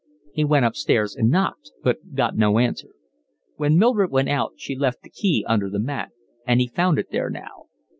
He went upstairs and knocked, but got no answer. When Mildred went out she left the key under the mat and he found it there now.